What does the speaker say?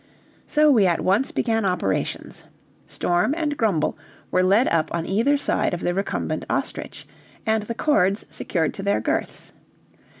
So we at once began operations. Storm and Grumble were led up on either side of the recumbent ostrich, and the cords secured to their girths.